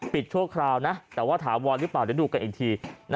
ชั่วคราวนะแต่ว่าถาวรหรือเปล่าเดี๋ยวดูกันอีกที